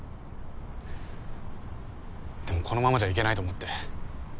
でもこのままじゃいけないと思って。